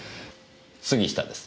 杉下です。